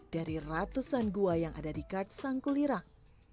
dari ratusan gua yang ada di kars sangku lirang